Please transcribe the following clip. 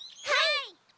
はい。